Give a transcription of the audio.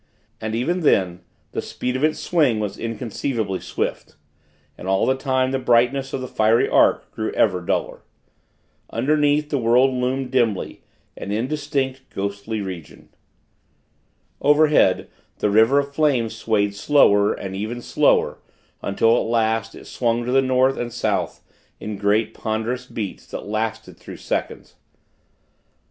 Yet, even then, the speed of its swing was inconceivably swift. And all the time, the brightness of the fiery arc grew ever duller. Underneath, the world loomed dimly an indistinct, ghostly region. Overhead, the river of flame swayed slower, and even slower; until, at last, it swung to the North and South in great, ponderous beats, that lasted through seconds.